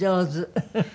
フフフフ！